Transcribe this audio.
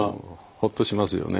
ホッとしますよね。